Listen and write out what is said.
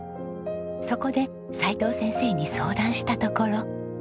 そこで齋藤先生に相談したところ。